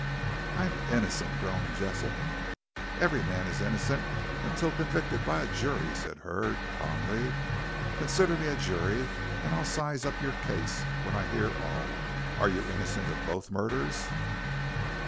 "I'm innocent," groaned Jessop. "Every man is innocent until convicted by a jury," said Hurd, calmly. "Consider me a jury and I'll size up your case, when I hear all. Are you innocent of both murders?"